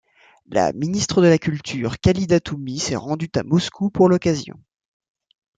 La ministre de la culture Khalida Toumi s'est rendu à Moscou pour l'occasion.